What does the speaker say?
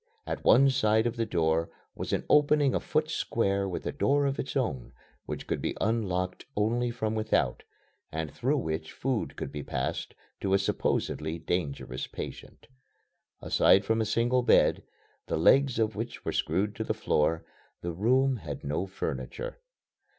At one side of the door was an opening a foot square with a door of its own which could be unlocked only from without, and through which food could be passed to a supposedly dangerous patient. Aside from a single bed, the legs of which were screwed to the floor, the room had no furniture.